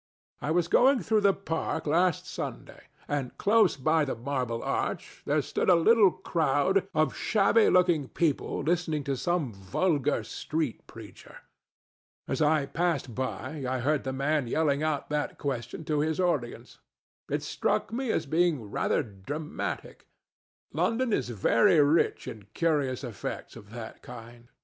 I was going through the park last Sunday, and close by the Marble Arch there stood a little crowd of shabby looking people listening to some vulgar street preacher. As I passed by, I heard the man yelling out that question to his audience. It struck me as being rather dramatic. London is very rich in curious effects of that kind.